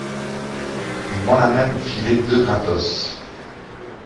Il m’en a même filé deux gratos.